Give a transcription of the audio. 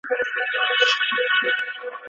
زما څخه مه غواړه غزل د پسرلي د نسیم